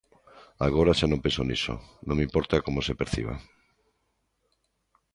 Agora xa non penso niso, non me importa como se perciba.